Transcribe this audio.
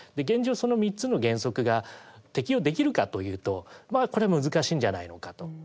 その３つの原則が適用できるかというとこれは難しいんじゃないのかと。